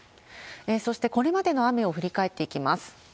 そしてこれまでの雨を振り返っていきます。